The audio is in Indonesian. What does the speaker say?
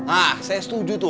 hah saya setuju tuh